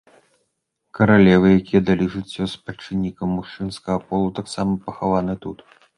Каралевы, якія далі жыццё спадчыннікам мужчынскага полу, таксама пахаваны тут.